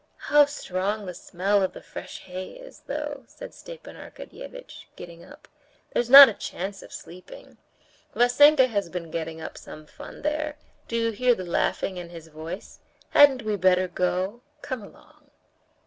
"How strong the smell of the fresh hay is, though," said Stepan Arkadyevitch, getting up. "There's not a chance of sleeping. Vassenka has been getting up some fun there. Do you hear the laughing and his voice? Hadn't we better go? Come along!"